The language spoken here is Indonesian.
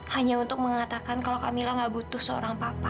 hanya untuk mengatakan kalau kamila nggak butuh seorang papa